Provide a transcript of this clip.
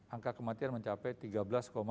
angka kematian mencapai tiga belas tujuh persen